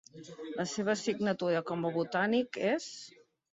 La seva signatura com a botànic és: